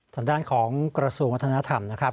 ทางด้านของกระทรวงวัฒนธรรมนะครับ